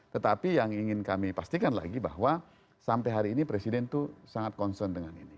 tetapi yang ingin kami pastikan lagi bahwa sampai hari ini presiden itu sangat concern dengan ini